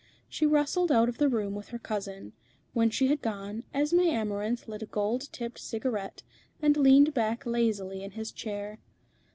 She rustled out of the room with her cousin. When she had gone, Esmé Amarinth lit a gold tipped cigarette, and leaned back lazily in his chair.